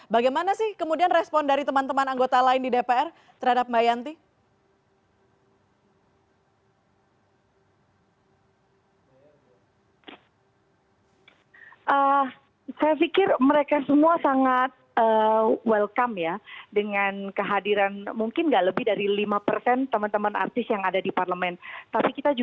bagaimana sih kemudian respon dari teman teman anggota lain di dpr terhadap mbak yanti